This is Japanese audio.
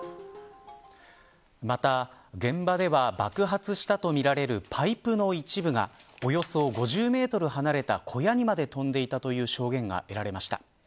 また、現場では爆発したとみられるパイプの一部がおよそ５０メートル離れた小屋にまで飛んでいたという証言が得られました。